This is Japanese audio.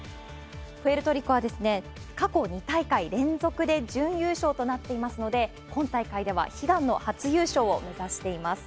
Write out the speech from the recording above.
プエルトリコは過去２大会連続で準優勝となっていますので、今大会では、悲願の初優勝を目指しています。